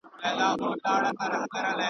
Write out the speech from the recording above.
چي يوه به لاپي كړې بل به خندله.